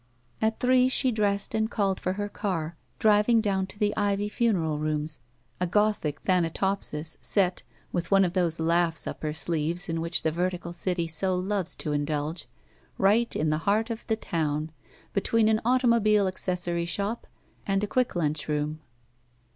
At three she dressed and called for her car, driving down to the Ivy Funeral Rooms, a Gothic Thana topsis, set, with one of those laughs up her sleeves in which the vertical city so loves to indulge, right in the heart of the town, between an automobile acces sory shop and a quick lunch room.